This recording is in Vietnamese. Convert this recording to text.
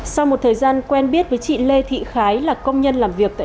sau một thời gian quen biết với chị lê thị khái là công nhân làm việc tại